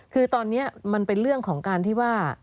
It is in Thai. คือตอนนี้มันเป็นเรื่องของการที่ว่า